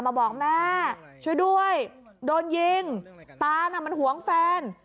มาบอกแม่ช่วยด้วยโดนยิงตาน่ะมันหวงแฟน